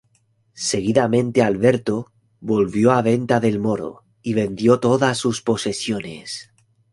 Seguidamente Alberto volvió a Venta del Moro y vendió todas sus posesiones.